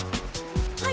はい。